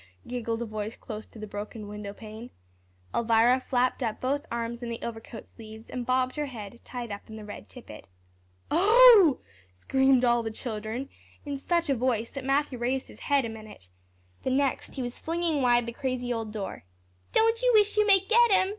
giggled a voice close to the broken window pane. Elvira flapped up both arms in the overcoat sleeves, and bobbed her head, tied up in the red tippet. "Oh!" screamed all the children in such a voice that Matthew raised his head a minute. The next he was flinging wide the crazy old door. "Don't you wish you may get 'em?"